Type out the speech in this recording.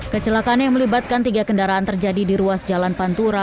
kecelakaan yang melibatkan tiga kendaraan terjadi di ruas jalan pantura